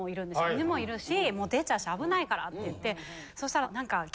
「犬もいるしもう出ちゃうし危ないから」って言って。